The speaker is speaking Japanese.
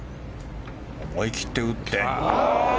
思い切って打って。